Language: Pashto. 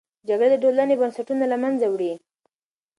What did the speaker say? جګړه د ټولنې بنسټونه له منځه وړي.